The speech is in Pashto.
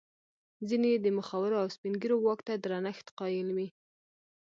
ځیني یې د مخورو او سپین ږیرو واک ته درنښت قایل وي.